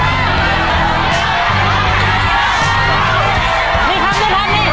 ๘กล่องแล้ว